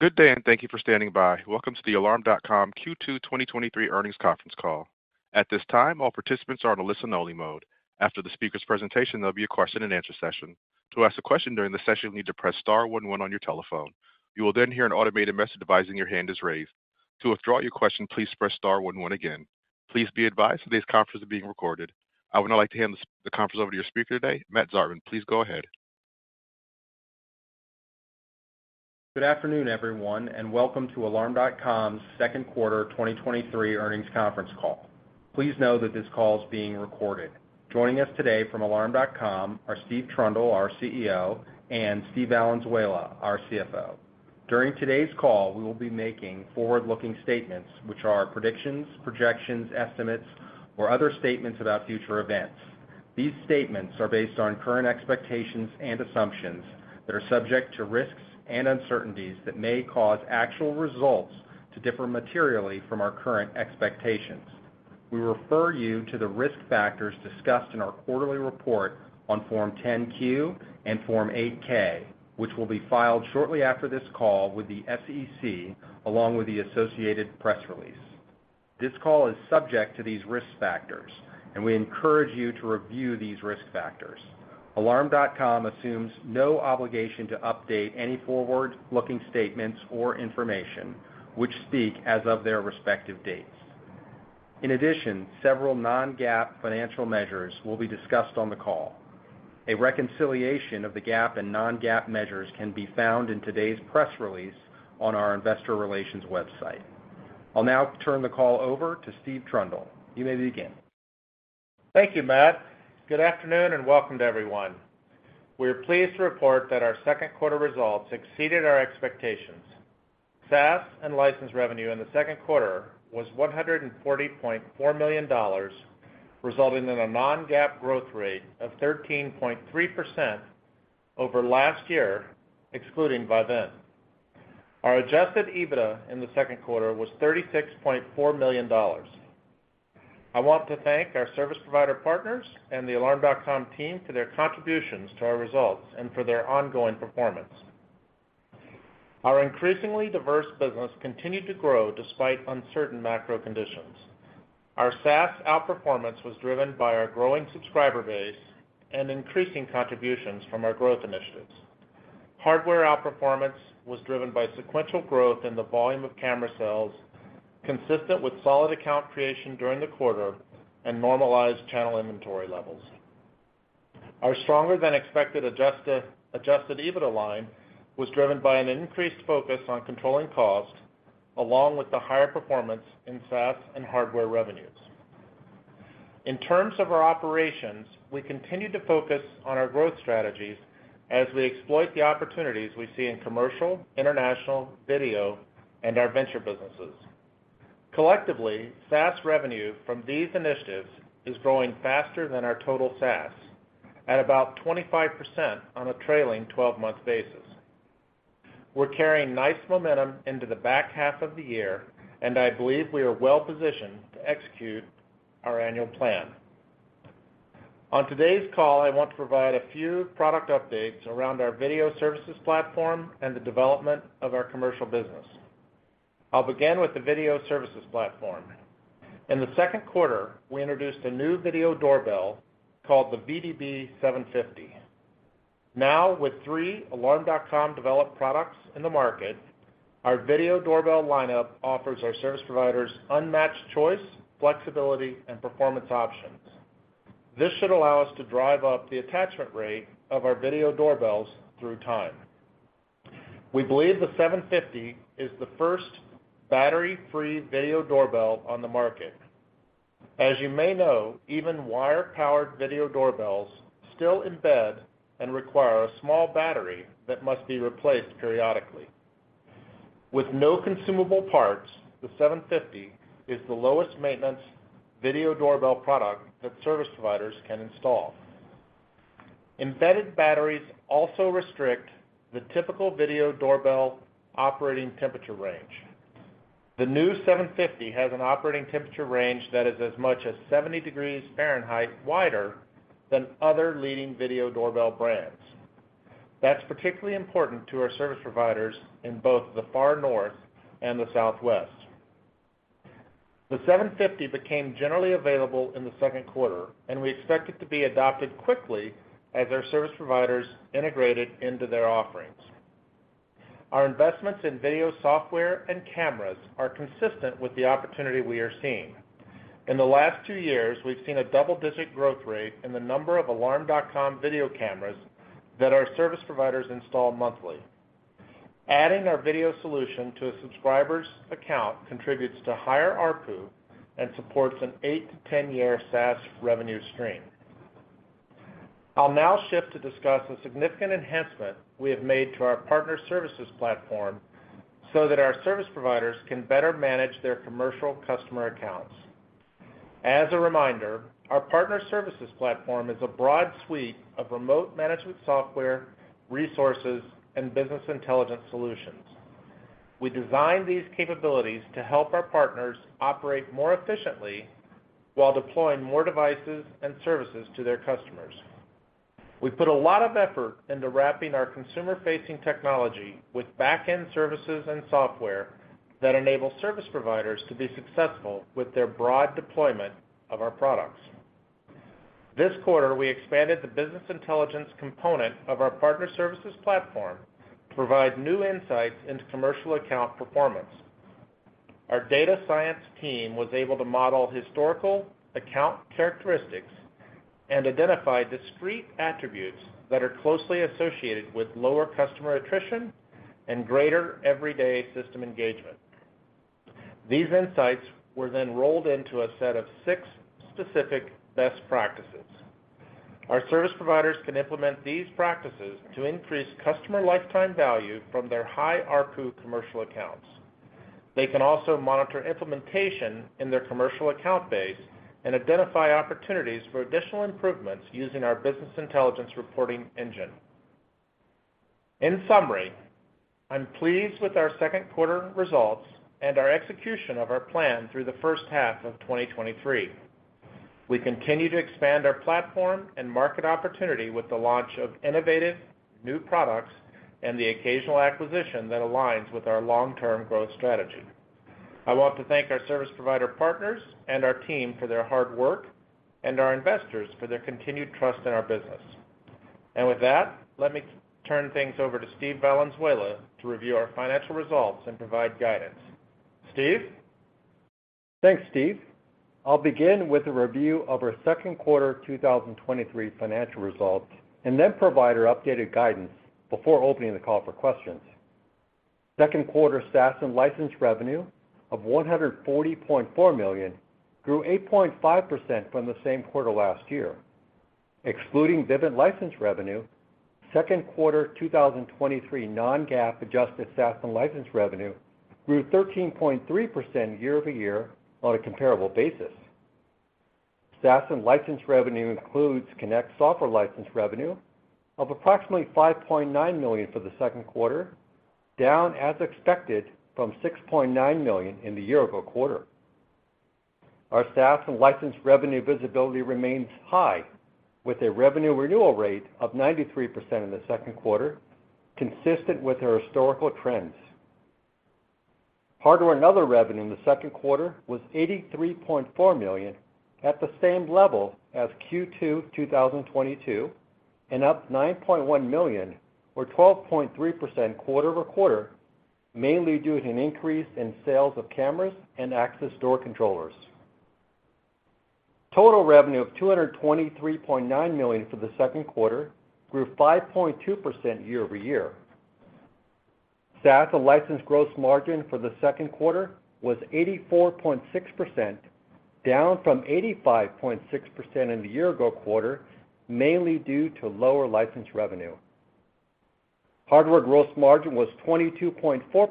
Good day, and thank you for standing by. Welcome to the Alarm.com Q2 2023 Earnings Conference Call. At this time, all participants are in a listen-only mode. After the speaker's presentation, there'll be a question-and-answer session. To ask a question during the session, you'll need to press star one one on your telephone. You will then hear an automated message advising your hand is raised. To withdraw your question, please press star one one again. Please be advised, today's conference is being recorded. I would now like to hand the conference over to your speaker today, Matthew Zartman. Please go ahead. Good afternoon, everyone, and welcome to Alarm.com's second quarter 2023 earnings conference call. Please know that this call is being recorded. Joining us today from Alarm.com are Steve Trundle, our CEO, and Steve Valenzuela, our CFO. During today's call, we will be making forward-looking statements, which are predictions, projections, estimates, or other statements about future events. These statements are based on current expectations and assumptions that are subject to risks and uncertainties that may cause actual results to differ materially from our current expectations. We refer you to the risk factors discussed in our quarterly report on Form 10-Q and Form 8-K, which will be filed shortly after this call with the SEC, along with the associated press release. This call is subject to these risk factors, and we encourage you to review these risk factors. Alarm.com assumes no obligation to update any forward-looking statements or information which speak as of their respective dates. In addition, several non-GAAP financial measures will be discussed on the call. A reconciliation of the GAAP and non-GAAP measures can be found in today's press release on our investor relations website. I'll now turn the call over to Steve Trundle. You may begin. Thank you, Matt. Good afternoon, and welcome to everyone. We are pleased to report that our second quarter results exceeded our expectations. SaaS and license revenue in the second quarter was $140.4 million, resulting in a non-GAAP growth rate of 13.3% over last year, excluding Vivint. Our adjusted EBITDA in the second quarter was $36.4 million. I want to thank our service provider partners and the Alarm.com team for their contributions to our results and for their ongoing performance. Our increasingly diverse business continued to grow despite uncertain macro conditions. Our SaaS outperformance was driven by our growing subscriber base and increasing contributions from our growth initiatives. Hardware outperformance was driven by sequential growth in the volume of camera sales, consistent with solid account creation during the quarter and normalized channel inventory levels. Our stronger-than-expected adjusted EBITDA line was driven by an increased focus on controlling costs, along with the higher performance in SaaS and hardware revenues. In terms of our operations, we continued to focus on our growth strategies as we exploit the opportunities we see in commercial, international, video, and our venture businesses. Collectively, SaaS revenue from these initiatives is growing faster than our total SaaS at about 25% on a trailing 12-month basis. We're carrying nice momentum into the back half of the year, and I believe we are well-positioned to execute our annual plan. On today's call, I want to provide a few product updates around our video services platform and the development of our commercial business. I'll begin with the video services platform. In the second quarter, we introduced a new video doorbell called the VDB750. Now, with 3 Alarm.com-developed products in the market, our video doorbell lineup offers our service providers unmatched choice, flexibility, and performance options. This should allow us to drive up the attachment rate of our video doorbells through time. We believe the 750 is the first battery-free video doorbell on the market. As you may know, even wire-powered video doorbells still embed and require a small battery that must be replaced periodically. With no consumable parts, the 750 is the lowest maintenance video doorbell product that service providers can install. Embedded batteries also restrict the typical video doorbell operating temperature range. The new 750 has an operating temperature range that is as much as 70 degrees Fahrenheit wider than other leading video doorbell brands. That's particularly important to our service providers in both the far north and the southwest. The 750 became generally available in the second quarter, and we expect it to be adopted quickly as our service providers integrate it into their offerings. Our investments in video software and cameras are consistent with the opportunity we are seeing. In the last two years, we've seen a double-digit growth rate in the number of Alarm.com video cameras that our service providers install monthly. Adding our video solution to a subscriber's account contributes to higher ARPU and supports an 8 to 10-year SaaS revenue stream. I'll now shift to discuss a significant enhancement we have made to our Partner Services Platform so that our service providers can better manage their commercial customer accounts. As a reminder, our Partner Services Platform is a broad suite of remote management software, resources, and business intelligence solutions.... We designed these capabilities to help our partners operate more efficiently while deploying more devices and services to their customers. We put a lot of effort into wrapping our consumer-facing technology with back-end services and software that enable service providers to be successful with their broad deployment of our products. This quarter, we expanded the business intelligence component of our Partner Services Platform to provide new insights into commercial account performance. Our data science team was able to model historical account characteristics and identify discrete attributes that are closely associated with lower customer attrition and greater everyday system engagement. These insights were then rolled into a set of six specific best practices. Our service providers can implement these practices to increase customer lifetime value from their high ARPU commercial accounts. They can also monitor implementation in their commercial account base and identify opportunities for additional improvements using our business intelligence reporting engine. In summary, I'm pleased with our second quarter results and our execution of our plan through the first half of 2023. We continue to expand our platform and market opportunity with the launch of innovative new products and the occasional acquisition that aligns with our long-term growth strategy. I want to thank our service provider partners and our team for their hard work, and our investors for their continued trust in our business. With that, let me turn things over to Steve Valenzuela to review our financial results and provide guidance. Steve? Thanks, Steve. I'll begin with a review of our second quarter 2023 financial results, then provide our updated guidance before opening the call for questions. Second quarter SaaS and license revenue of $140.4 million grew 8.5% from the same quarter last year. Excluding Vivint license revenue, second quarter 2023 non-GAAP adjusted SaaS and license revenue grew 13.3% year-over-year on a comparable basis. SaaS and license revenue includes Connect software license revenue of approximately $5.9 million for the second quarter, down as expected, from $6.9 million in the year-ago quarter. Our SaaS and license revenue visibility remains high, with a revenue renewal rate of 93% in the second quarter, consistent with our historical trends. Hardware and other revenue in the second quarter was $83.4 million, at the same level as Q2 2022, up $9.1 million, or 12.3% quarter-over-quarter, mainly due to an increase in sales of cameras and access door controllers. Total revenue of $223.9 million for the second quarter grew 5.2% year-over-year. SaaS and license gross margin for the second quarter was 84.6%, down from 85.6% in the year-ago quarter, mainly due to lower license revenue. Hardware gross margin was 22.4% for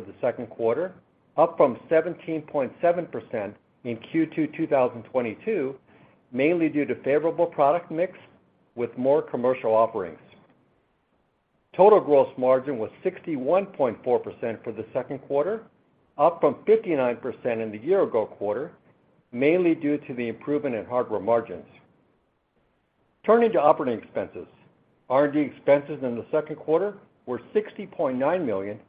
the second quarter, up from 17.7% in Q2 2022, mainly due to favorable product mix with more commercial offerings. Total gross margin was 61.4% for the second quarter, up from 59% in the year-ago quarter, mainly due to the improvement in hardware margins. Turning to operating expenses. R&D expenses in the second quarter were $60.9 million,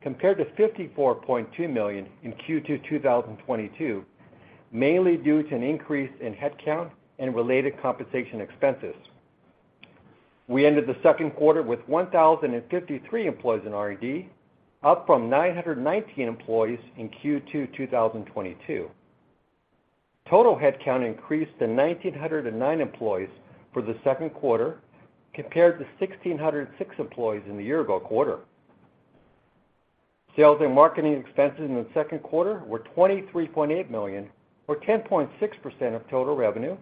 compared to $54.2 million in Q2 2022, mainly due to an increase in headcount and related compensation expenses. We ended the second quarter with 1,053 employees in R&D, up from 919 employees in Q2 2022. Total headcount increased to 1,909 employees for the second quarter, compared to 1,606 employees in the year-ago quarter. Sales and marketing expenses in the second quarter were $23.8 million, or 10.6% of total revenue,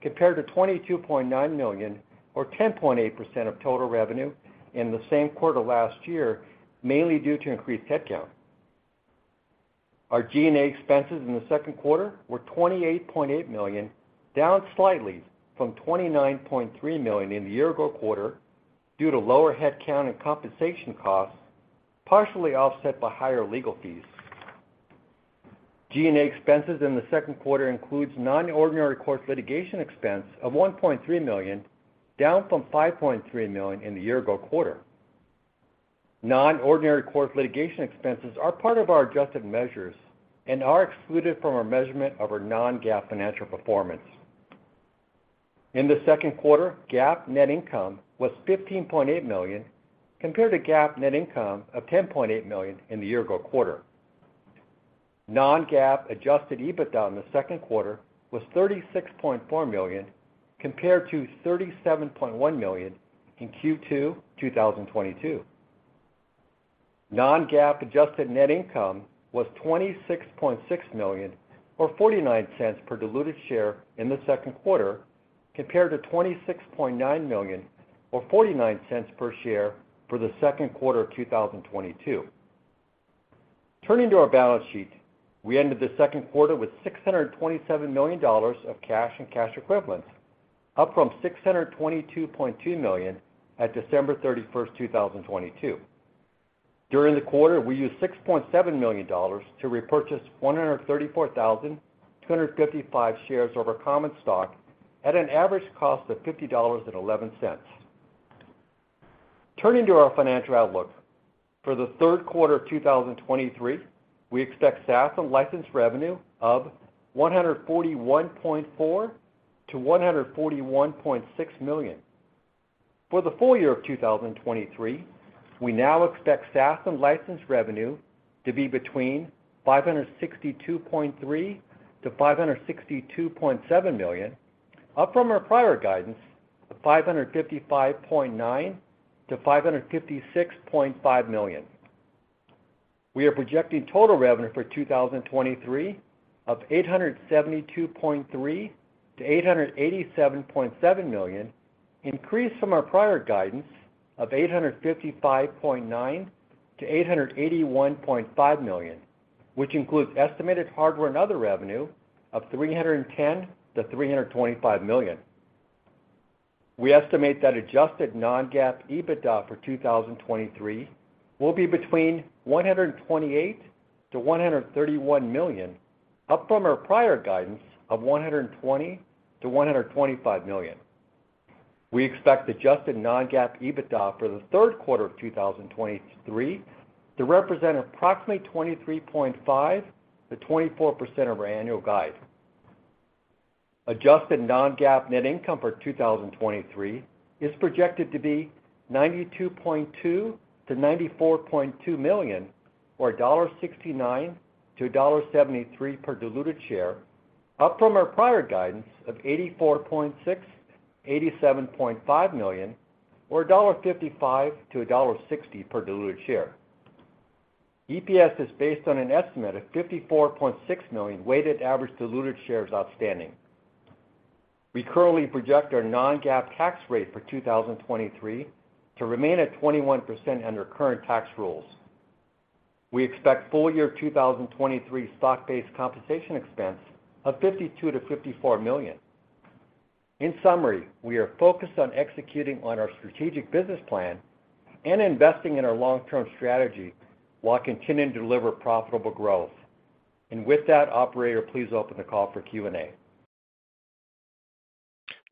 compared to $22.9 million, or 10.8% of total revenue in the same quarter last year, mainly due to increased headcount. Our G&A expenses in the second quarter were $28.8 million, down slightly from $29.3 million in the year-ago quarter due to lower headcount and compensation costs, partially offset by higher legal fees. G&A expenses in the second quarter includes non-ordinary course litigation expense of $1.3 million, down from $5.3 million in the year-ago quarter. Non-ordinary course litigation expenses are part of our adjusted measures and are excluded from our measurement of our non-GAAP financial performance. In the second quarter, GAAP net income was $15.8 million, compared to GAAP net income of $10.8 million in the year-ago quarter. Non-GAAP adjusted EBITDA in the second quarter was $36.4 million, compared to $37.1 million in Q2 2022. Non-GAAP adjusted net income was $26.6 million, or $0.49 per diluted share in the second quarter, compared to $26.9 million or $0.49 per share for the second quarter of 2022. Turning to our balance sheet, we ended the second quarter with $627 million of cash and cash equivalents. up from $622.2 million at December 31, 2022. During the quarter, we used $6.7 million to repurchase 134,255 shares of our common stock at an average cost of $50.11. Turning to our financial outlook. For the third quarter of 2023, we expect SaaS and license revenue of $141.4 to 141.6 million. For the full year of 2023, we now expect SaaS and license revenue to be between $562.3 to 562.7 million, up from our prior guidance of $555.9 to 556.5 million. We are projecting total revenue for 2023 of $872.3 to 887.7 million, increased from our prior guidance of $855.9 to 881.5 million, which includes estimated hardware and other revenue of $310 to 325 million. We estimate that adjusted non-GAAP EBITDA for 2023 will be between $128 to 131 million, up from our prior guidance of $120 to 125 million. We expect adjusted non-GAAP EBITDA for the third quarter of 2023 to represent approximately 23.5% to 24% of our annual guide. Adjusted non-GAAP net income for 2023 is projected to be $92.2 to 94.2 million, or $1.69 to $1.73 per diluted share, up from our prior guidance of $84.6 to 87.5 million or $1.55 to $1.60 per diluted share. EPS is based on an estimate of 54.6 million weighted average diluted shares outstanding. We currently project our non-GAAP tax rate for 2023 to remain at 21% under current tax rules. We expect full year 2023 stock-based compensation expense of $52 to 54 million. In summary, we are focused on executing on our strategic business plan and investing in our long-term strategy, while continuing to deliver profitable growth. With that, operator, please open the call for Q&A.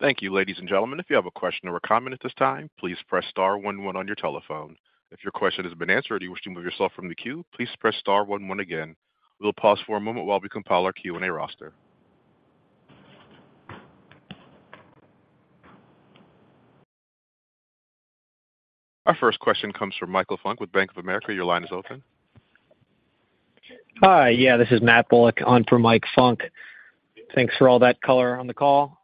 Thank you, ladies and gentlemen. If you have a question or a comment at this time, please press star one, one on your telephone. If your question has been answered, or you wish to move yourself from the queue, please press star one, one again. We'll pause for a moment while we compile our Q&A roster. Our first question comes from Michael Funk with Bank of America. Your line is open. Hi. Yeah, this is Matt Bullock on for Mike Funk. Thanks for all that color on the call.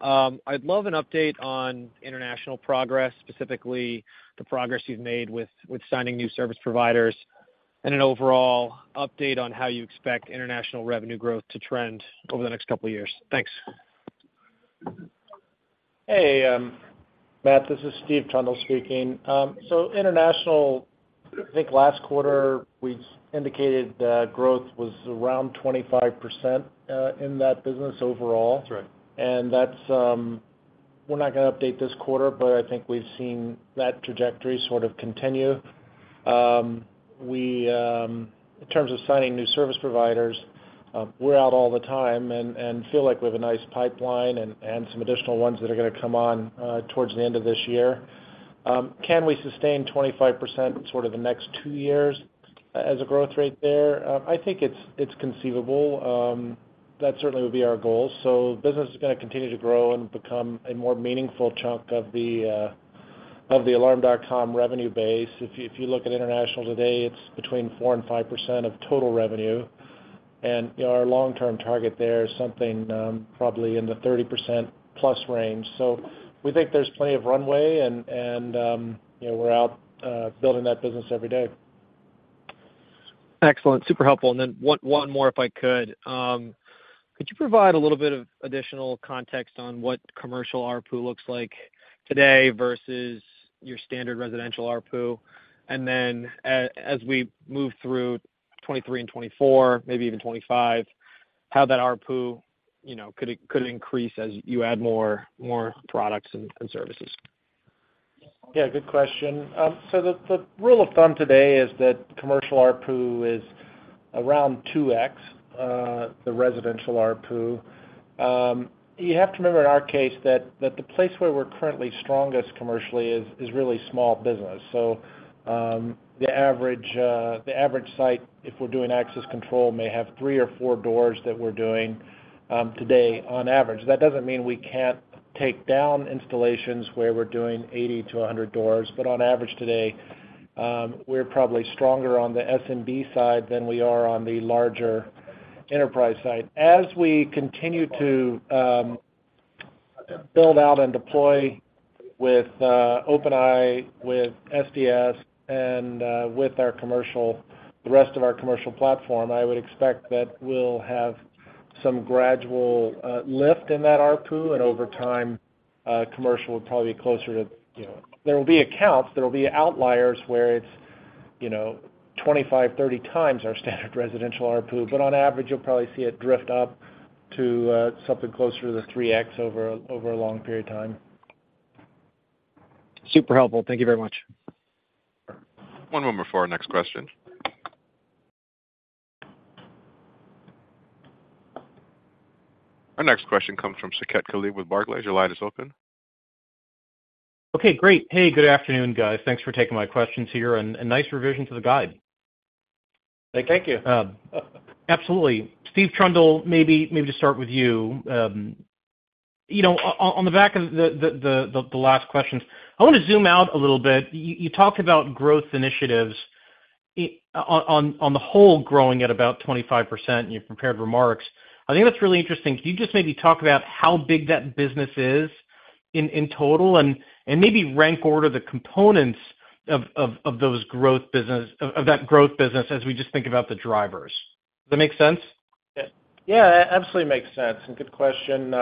I'd love an update on international progress, specifically the progress you've made with signing new service providers, and an overall update on how you expect international revenue growth to trend over the next couple of years. Thanks. Hey, Matt, this is Steve Trundle speaking. International, I think last quarter, we indicated that growth was around 25% in that business overall. That's right. That's, we're not gonna update this quarter, but I think we've seen that trajectory sort of continue. We, in terms of signing new service providers, we're out all the time and, and feel like we have a nice pipeline and, and some additional ones that are gonna come on towards the end of this year. Can we sustain 25% sort of the next 2 years as a growth rate there? I think it's, it's conceivable. That certainly would be our goal. Business is gonna continue to grow and become a more meaningful chunk of the Alarm.com revenue base. If you, if you look at international today, it's between 4% to 5% of total revenue. You know, our long-term target there is something probably in the 30%+ range. We think there's plenty of runway and, and, you know, we're out building that business every day. Excellent. Super helpful. One, one more, if I could. Could you provide a little bit of additional context on what commercial ARPU looks like today versus your standard residential ARPU? As we move through 2023 and 2024, maybe even 2025, how that ARPU, you know, could, could increase as you add more, more products and, and services? Yeah, good question. The, the rule of thumb today is that commercial ARPU is around 2x the residential ARPU. You have to remember in our case, that, that the place where we're currently strongest commercially is, is really small business. The average, the average site, if we're doing access control, may have 3 or 4 doors that we're doing today on average. That doesn't mean we can't take down installations where we're doing 80 to 100 doors, but on average today, we're probably stronger on the SMB side than we are on the larger enterprise side. As we continue to build out and deploy with OpenEye, with SDS, and with our commercial, the rest of our commercial platform, I would expect that we'll have some gradual lift in that ARPU, and over time, commercial will probably be closer to, you know... There will be accounts, there will be outliers where it's-... you know, 25, 30 times our standard residential ARPU. On average, you'll probably see it drift up to something closer to the 3x over, over a long period of time. Super helpful. Thank you very much. One moment before our next question. Our next question comes from Saket Kalia with Barclays. Your line is open. Okay, great. Hey, good afternoon, guys. Thanks for taking my questions here, and nice revision to the guide. Thank you. Absolutely. Steve Trundle, maybe, maybe to start with you. you know, on the back of the last questions, I wanna zoom out a little bit. You talked about growth initiatives on the whole, growing at about 25% in your prepared remarks. I think that's really interesting. Can you just maybe talk about how big that business is in, in total? maybe rank order the components those growth business-- that growth business as we just think about the drivers. Does that make sense? Yeah, absolutely makes sense, and good question.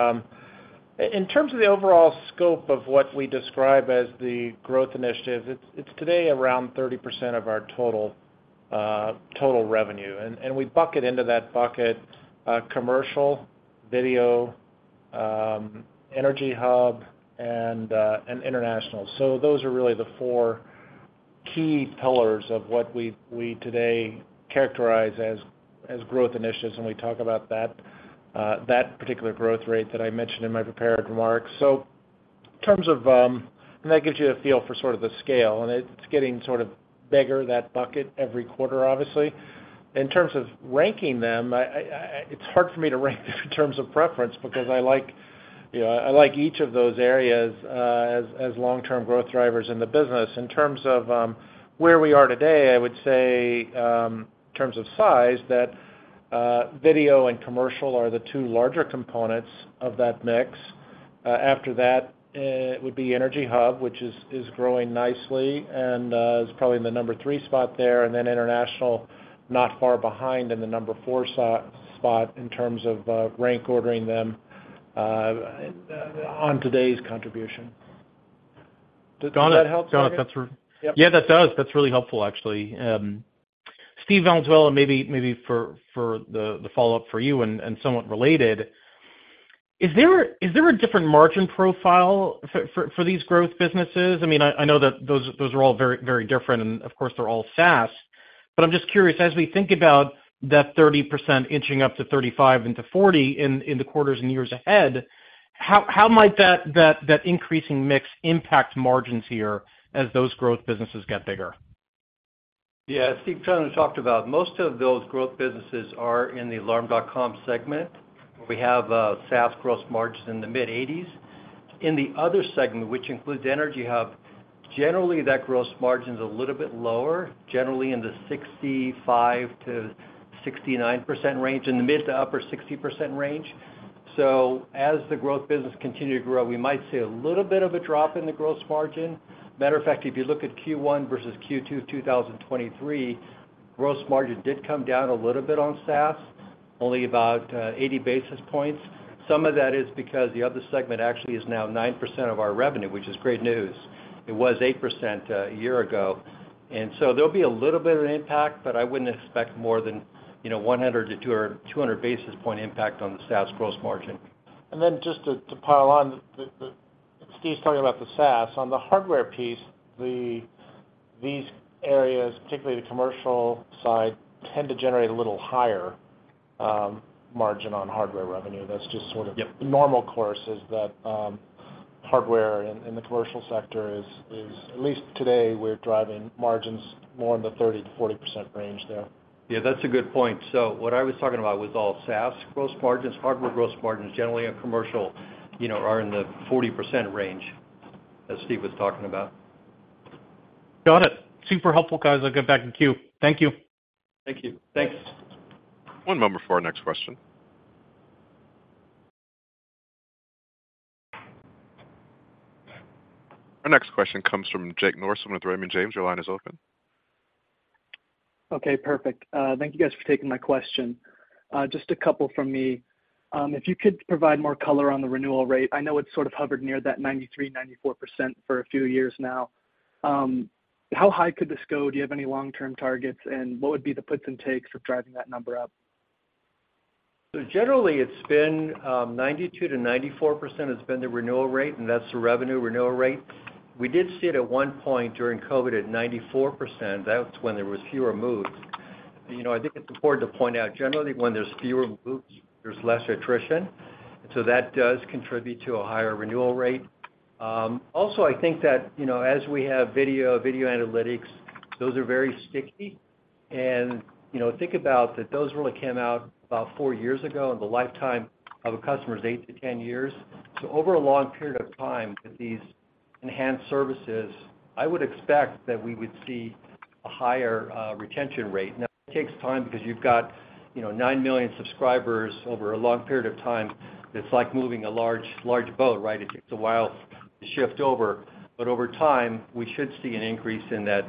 In terms of the overall scope of what we describe as the growth initiative, it's, it's today around 30% of our total, total revenue. We bucket into that bucket, commercial, video, EnergyHub, and international. Those are really the four key pillars of what we, we today characterize as, as growth initiatives when we talk about that particular growth rate that I mentioned in my prepared remarks. That gives you a feel for sort of the scale, and it's getting sort of bigger, that bucket, every quarter, obviously. In terms of ranking them, I, I, I it's hard for me to rank them in terms of preference, because I like, you know, I like each of those areas, as, as long-term growth drivers in the business. In terms of, where we are today, I would say, in terms of size, that, video and commercial are the 2 larger components of that mix. After that, it would be EnergyHub, which is, is growing nicely and, is probably in the 3 spot there, and then international, not far behind in the 4 spot in terms of, rank ordering them, on today's contribution. Does that help? Got it. That's Yep. Yeah, that does. That's really helpful, actually. Steve Valenzuela, maybe, maybe for, for the, the follow-up for you and, and somewhat related: Is there a, is there a different margin profile for, for, for these growth businesses? I mean, I, I know that those, those are all very, very different, and of course, they're all SaaS. But I'm just curious, as we think about that 30% inching up to 35 into 40 in, in the quarters and years ahead, how, how might that, that, that increasing mix impact margins here as those growth businesses get bigger? Yeah, Steve Trundle talked about most of those growth businesses are in the Alarm.com segment, where we have SaaS gross margins in the mid-80s. In the other segment, which includes EnergyHub, generally, that gross margin's a little bit lower, generally in the 65% to 69% range, in the mid to upper 60% range. As the growth business continue to grow, we might see a little bit of a drop in the gross margin. Matter of fact, if you look at Q1 versus Q2 2023, gross margin did come down a little bit on SaaS, only about 80 basis points. Some of that is because the other segment actually is now 9% of our revenue, which is great news. It was 8% a year ago. There'll be a little bit of an impact, but I wouldn't expect more than, you know, 100 to 2 or 200 basis point impact on the SaaS gross margin. Just to, to pile on, Steve's talking about the SaaS. On the hardware piece, these areas, particularly the commercial side, tend to generate a little higher margin on hardware revenue. That's just sort of. Yep... the normal course is that, hardware in, in the commercial sector is, is, at least today, we're driving margins more in the 30% to 40% range there. Yeah, that's a good point. What I was talking about was all SaaS gross margins. Hardware gross margins, generally on commercial, you know, are in the 40% range, as Steve was talking about. Got it. Super helpful, guys. I'll get back in queue. Thank you. Thank you. Thanks. One moment before our next question. Our next question comes from Adam Tindle with Raymond James. Your line is open. Okay, perfect. Thank you guys for taking my question. Just a couple from me. If you could provide more color on the renewal rate, I know it's sort of hovered near that 93% to 94% for a few years now. How high could this go? Do you have any long-term targets, and what would be the puts and takes for driving that number up? Generally, it's been 92% to 94% has been the renewal rate, and that's the revenue renewal rate. We did see it at one point during COVID at 94%. That's when there was fewer moves. You know, I think it's important to point out, generally, when there's fewer moves, there's less attrition, so that does contribute to a higher renewal rate. Also, I think that, you know, as we have video, video analytics, those are very sticky. You know, think about that those really came out about four years ago, and the lifetime of a customer is 8 to 10 years. Over a long period of time with these enhanced services, I would expect that we would see a higher retention rate. Now, it takes time because you've got, you know, 9 million subscribers over a long period of time. It's like moving a large, large boat, right? It takes a while to shift over. Over time, we should see an increase in that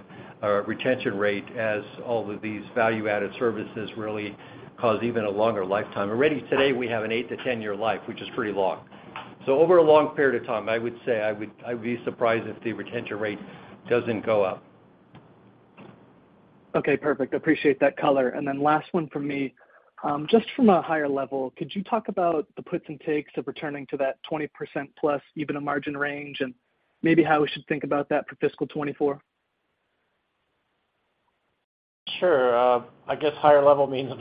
retention rate as all of these value-added services really cause even a longer lifetime. Already today, we have an 8 to 10 year life, which is pretty long. ... over a long period of time, I would say, I would be surprised if the retention rate doesn't go up. Okay, perfect. Appreciate that color. Then last one from me. Just from a higher level, could you talk about the puts and takes of returning to that 20% plus EBITDA margin range, and maybe how we should think about that for fiscal 2024? Sure. I guess higher level means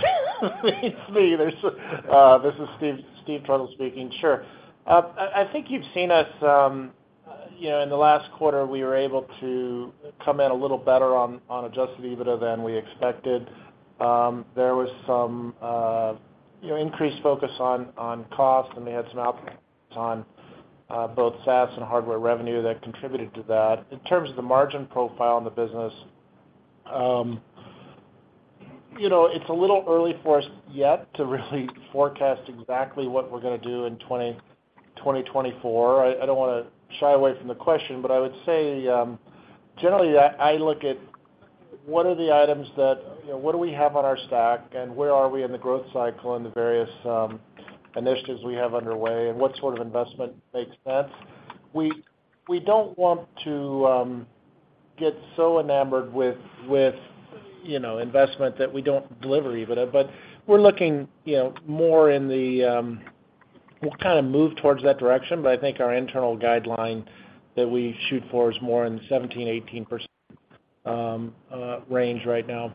means me. There's, this is Steve Trundle speaking. Sure. I, I think you've seen us, you know, in the last quarter, we were able to come in a little better on, on adjusted EBITDA than we expected. There was some, you know, increased focus on, on cost, and we had some on, both SaaS and hardware revenue that contributed to that. In terms of the margin profile in the business, you know, it's a little early for us yet to really forecast exactly what we're gonna do in 2024. I, I don't wanna shy away from the question, but I would say, generally, I, I look at what are the items that, you know, what do we have on our stack, and where are we in the growth cycle and the various initiatives we have underway, and what sort of investment makes sense? We, we don't want to get so enamored with, with, you know, investment that we don't deliver EBITDA. We're looking, you know, more in the, we'll kind of move towards that direction, but I think our internal guideline that we shoot for is more in the 17%-18% range right now.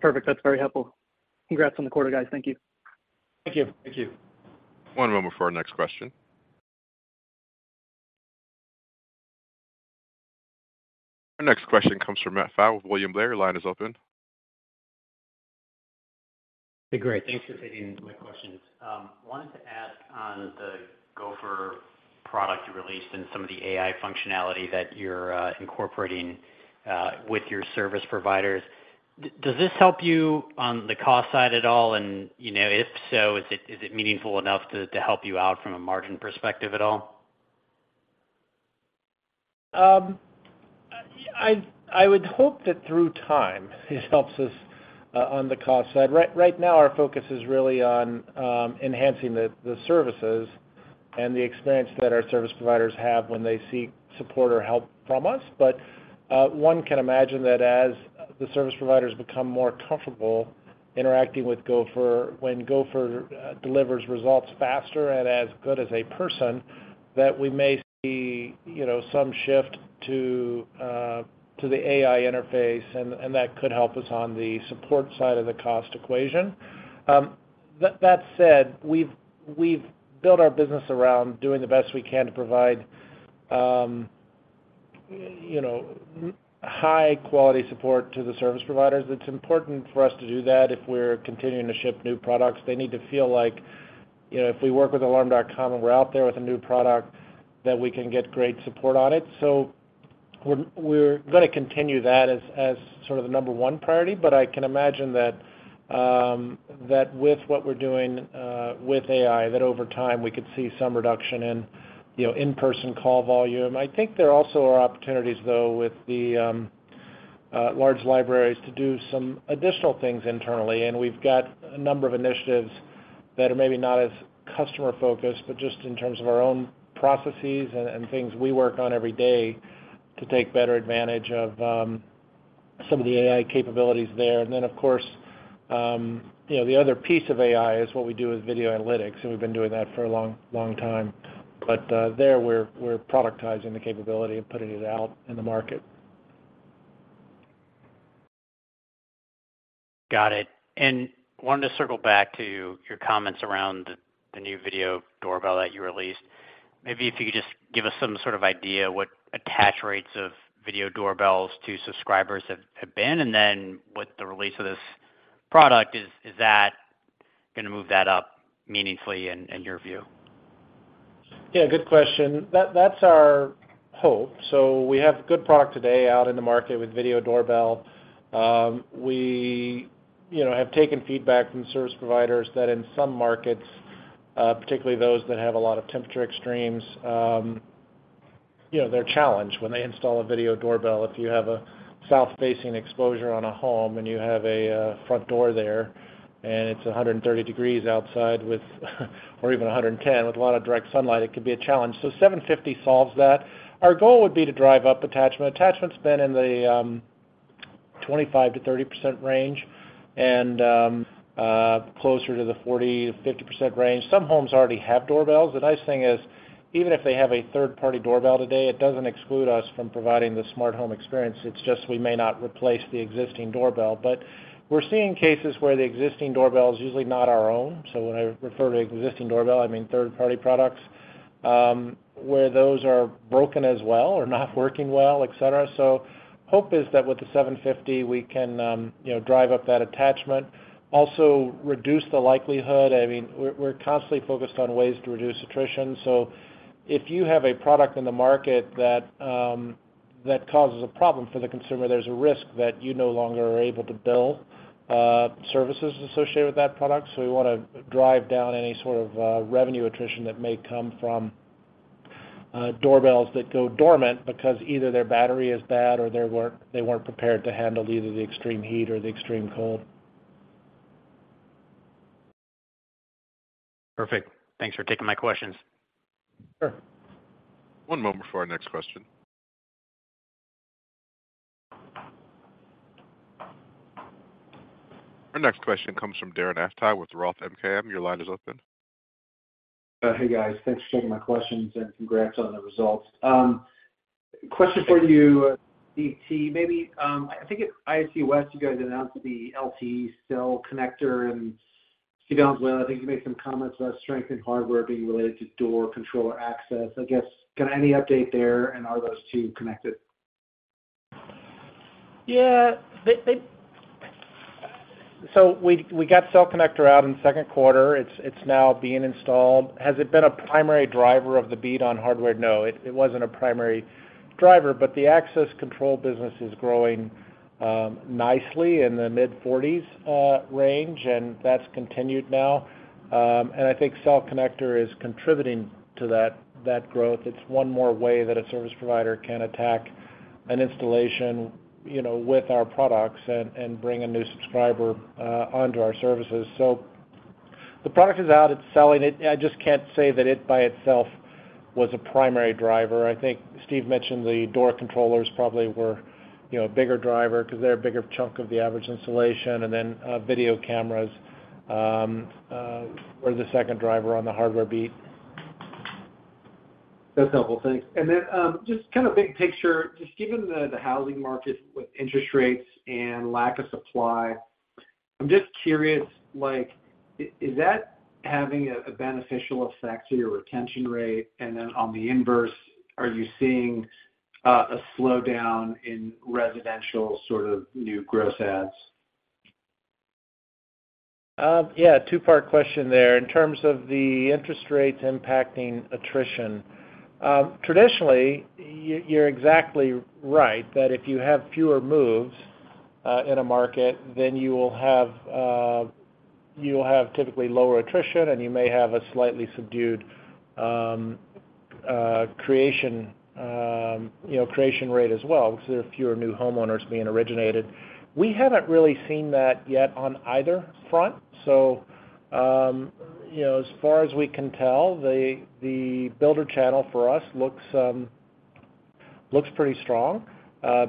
Perfect. That's very helpful. Congrats on the quarter, guys. Thank you. Thank you. Thank you. One moment before our next question. Our next question comes from Matthew Pfau with William Blair. Your line is open. Hey, great. Thanks for taking my questions. Wanted to ask on the Gopher product you released and some of the AI functionality that you're incorporating with your service providers. Does this help you on the cost side at all? You know, if so, is it, is it meaningful enough to, to help you out from a margin perspective at all? I, I would hope that through time, it helps us on the cost side. Right, right now, our focus is really on enhancing the, the services and the experience that our service providers have when they seek support or help from us. One can imagine that as the service providers become more comfortable interacting with Gopher, when Gopher delivers results faster and as good as a person, that we may see, you know, some shift to the AI interface, and, and that could help us on the support side of the cost equation. That, that said, we've, we've built our business around doing the best we can to provide, you know, high quality support to the service providers. It's important for us to do that if we're continuing to ship new products. They need to feel like, you know, if we work with Alarm.com, and we're out there with a new product, that we can get great support on it. We're, we're gonna continue that as, as sort of the number one priority, but I can imagine that with what we're doing with AI, that over time, we could see some reduction in, you know, in-person call volume. I think there also are opportunities, though, with the large libraries to do some additional things internally, and we've got a number of initiatives that are maybe not as customer focused, but just in terms of our own processes and, and things we work on every day to take better advantage of some of the AI capabilities there. Of course, you know, the other piece of AI is what we do with video analytics, and we've been doing that for a long, long time. There, we're, we're productizing the capability and putting it out in the market. Got it. wanted to circle back to your comments around the, the new video doorbell that you released. Maybe if you could just give us some sort of idea what attach rates of video doorbells to subscribers have, have been, and then with the release of this product, is, is that gonna move that up meaningfully in, in your view? Yeah, good question. That, that's our hope. We have a good product today out in the market with video doorbell. We, you know, have taken feedback from service providers that in some markets, particularly those that have a lot of temperature extremes, you know, they're challenged when they install a video doorbell. If you have a south-facing exposure on a home, and you have a front door there, and it's 130 degrees outside with or even 110 with a lot of direct sunlight, it could be a challenge. 750 solves that. Our goal would be to drive up attachment. Attachment's been in the 25% to 30% range and closer to the 40%, 50% range. Some homes already have doorbells. The nice thing is, even if they have a third-party doorbell today, it doesn't exclude us from providing the smart home experience. It's just we may not replace the existing doorbell. We're seeing cases where the existing doorbell is usually not our own. When I refer to existing doorbell, I mean third-party products, where those are broken as well or not working well, et cetera. Hope is that with the 750, we can, you know, drive up that attachment, also reduce the likelihood... I mean, we're, we're constantly focused on ways to reduce attrition. If you have a product in the market that causes a problem for the consumer, there's a risk that you no longer are able to bill services associated with that product. We wanna drive down any sort of revenue attrition that may come from-... Doorbells that go dormant because either their battery is bad or they weren't, they weren't prepared to handle either the extreme heat or the extreme cold. Perfect. Thanks for taking my questions. Sure. One moment before our next question. Our next question comes from Darren Aftahi with Roth MKM. Your line is open. Hey, guys. Thanks for taking my questions, and congrats on the results. Question for you, DT. Maybe, I think at ISC West, you guys announced the LTE Cell Connector, and Steve Valenzuela, I think you made some comments about strength in hardware being related to door controller access. Got any update there, and are those two connected? Yeah. We got Cell Connector out in the second quarter. It's now being installed. Has it been a primary driver of the beat on hardware? No, it wasn't a primary driver, but the access control business is growing nicely in the mid-40s range, and that's continued now. I think Cell Connector is contributing to that growth. It's one more way that a service provider can attack an installation, you know, with our products and bring a new subscriber onto our services. The product is out, it's selling. I just can't say that it, by itself, was a primary driver. I think Steve mentioned the door controllers probably were, you know, a bigger driver because they're a bigger chunk of the average installation, and then, video cameras, were the second driver on the hardware beat. That's helpful. Thanks. Just kind of big picture, just given the housing market with interest rates and lack of supply, I'm just curious, like, is that having a beneficial effect to your retention rate? On the inverse, are you seeing a slowdown in residential sort of new gross adds? Yeah, a two-part question there. In terms of the interest rates impacting attrition, traditionally, you're exactly right, that if you have fewer moves in a market, then you will have, you'll have typically lower attrition, and you may have a slightly subdued creation, you know, creation rate as well, because there are fewer new homeowners being originated. We haven't really seen that yet on either front. You know, as far as we can tell, the builder channel for us looks pretty strong.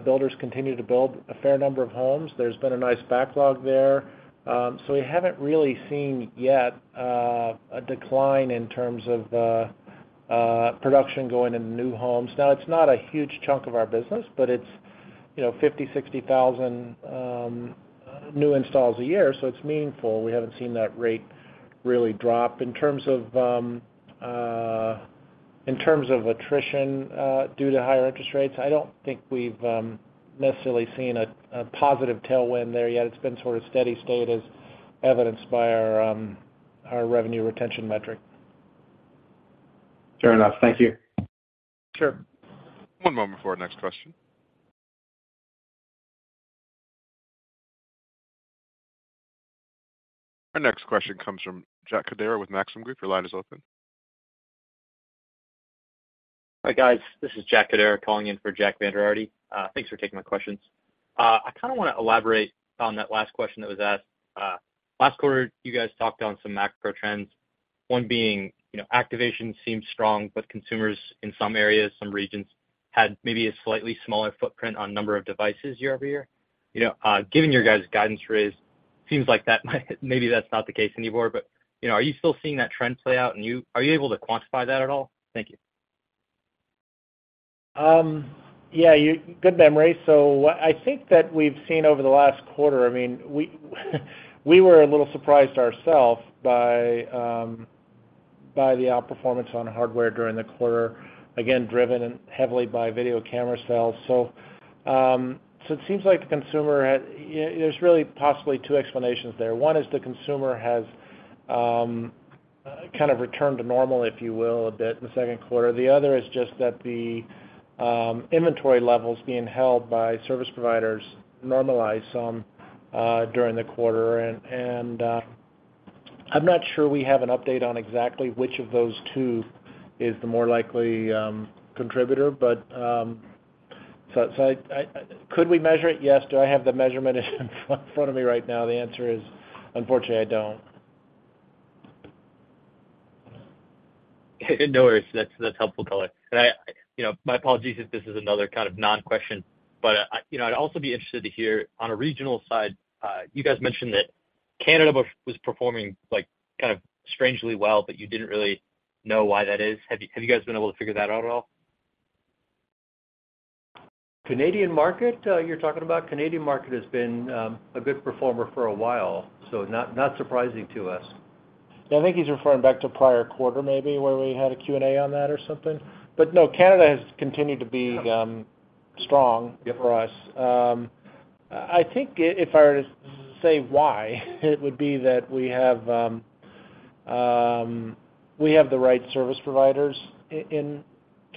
Builders continue to build a fair number of homes. There's been a nice backlog there. We haven't really seen yet a decline in terms of production going into new homes. It's not a huge chunk of our business, but it's, you know, 50,000 to 60,000 new installs a year, so it's meaningful. We haven't seen that rate really drop. In terms of, in terms of attrition, due to higher interest rates, I don't think we've necessarily seen a positive tailwind there yet. It's been sort of steady state, as evidenced by our revenue retention metric. Fair enough. Thank you. Sure. One moment before our next question. Our next question comes from Jack Kodera with Maxim Group. Your line is open. Hi, guys. This is Jack Kodera calling in for Jack Vander Aarde. Thanks for taking my questions. I kinda wanna elaborate on that last question that was asked. Last quarter, you guys talked on some macro trends, one being, you know, activation seems strong, but consumers in some areas, some regions, had maybe a slightly smaller footprint on number of devices year-over-year. You know, given your guys' guidance raise, seems like that might maybe that's not the case anymore, but, you know, are you still seeing that trend play out, and are you able to quantify that at all? Thank you. Yeah, you... Good memory. What I think that we've seen over the last quarter, I mean, we, we were a little surprised ourselves by the outperformance on hardware during the quarter, again, driven heavily by video camera sales. It seems like the consumer had... Y- there's really possibly two explanations there. One is the consumer has kind of returned to normal, if you will, a bit in the second quarter. The other is just that the inventory levels being held by service providers normalized some during the quarter. I'm not sure we have an update on exactly which of those two is the more likely contributor. Could we measure it? Yes. Do I have the measurement in front, front of me right now? The answer is, unfortunately, I don't. No worries. That's, that's helpful color. I, I, you know, my apologies if this is another kind of non-question, but, you know, I'd also be interested to hear on a regional side, you guys mentioned that Canada w- was performing, like, kind of strangely well, but you didn't really know why that is. Have you, have you guys been able to figure that out at all? Canadian market, you're talking about? Canadian market has been a good performer for a while, so not surprising to us. I think he's referring back to a prior quarter, maybe, where we had a Q&A on that or something. No, Canada has continued to be strong for us. I think if I were to say why, it would be that we have, we have the right service providers in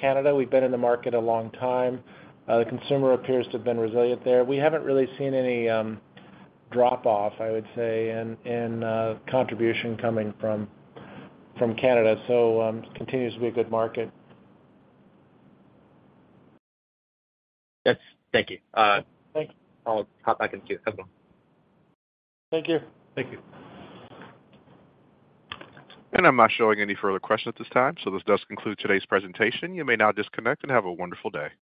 Canada. We've been in the market a long time. The consumer appears to have been resilient there. We haven't really seen any drop-off, I would say, in, in contribution coming from, from Canada, so continues to be a good market. Thank you. Thanks. I'll hop back into queue. Have a good one. Thank you. Thank you. I'm not showing any further questions at this time, so this does conclude today's presentation. You may now disconnect and have a wonderful day. Thank you.